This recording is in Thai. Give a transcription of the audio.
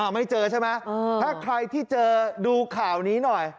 ไม่เจอใช่ไหมถ้าใครที่เจอดูข่าวนี้หน่อย